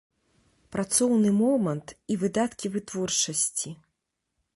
Працоўны момант і выдаткі вытворчасці.